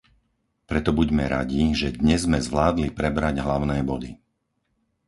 Preto buďme radi, že dnes sme zvládli prebrať hlavné body!